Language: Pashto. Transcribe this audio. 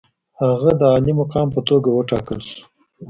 هغه د عالي مقام په توګه وټاکل شو.